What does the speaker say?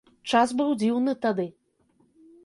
Час быў дзіўны тады.